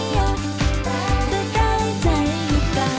สามารถรับชมได้ทุกวัย